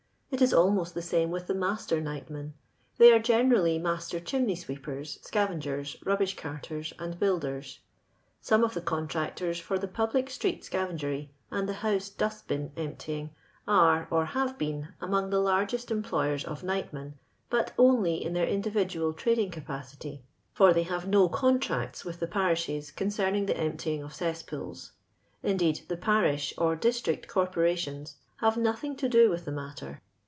It is almost the same with the mastor m?h men. 'J'hey are generally master chiiunc; sweepers, scavengers, rubbish cxirters, aiiJ buililors. Some ofthe contractors for the publii: . street Rcavcugory, and the house dust bin emptying, are (or have been) nniongtholarjfii emi)loycrs of nightmen, but only in their indivi dual trading cnpacity, for they have no contrac: with the parishes concerning llie cmptyiirj: i: cesspools ; indeed the parish or district oorp. rations have notliing to do with tho matter.